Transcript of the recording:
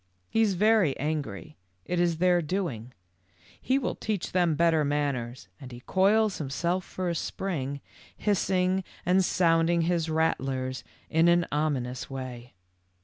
He is very angry. It is their doing ; he will teach them better manners, and he coils himself for a spring, hissing and sounding his rattlers in an ominous way.